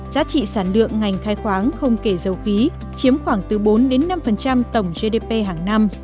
giá trị sản lượng ngành khai khoáng không kể dầu khí chiếm khoảng từ bốn năm tổng gdp hàng năm